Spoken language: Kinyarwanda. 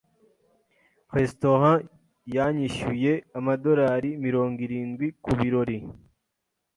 Restaurant yanyishyuye amadorari mirongo irindwi kubirori.